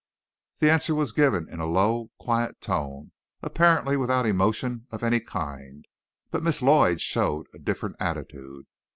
This answer was given in a low, quiet tone, apparently without emotion of any kind, but Miss Lloyd showed, a different attitude.